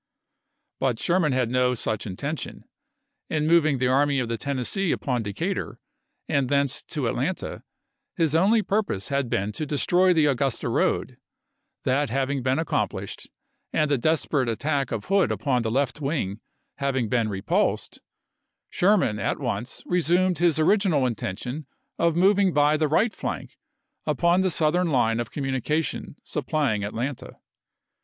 But Sherman had no such intention. In moving the Army of the Tennessee upon Decatur, and thence to Atlanta, his only purpose had been to destroy the Augusta road; that having been ac complished, and the desperate attack of Hood upon the left wing having been repulsed, Sherman at once resumed his original intention of moving by the right flank upon the southern line of communi cation supplying Atlanta.